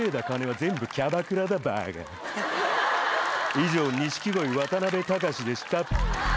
以上錦鯉渡辺隆でした。